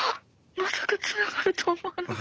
まさかつながると思わなかった。